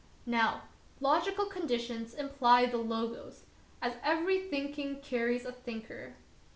Now, logi cal conditions imply the Logos, as every thinking carries a thinker.